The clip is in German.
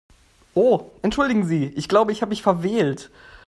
Oh entschuldigen Sie, ich glaube, ich habe mich verwählt.